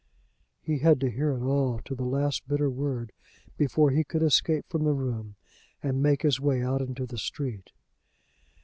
He had to hear it all to the last bitter word before he could escape from the room and make his way out into the street.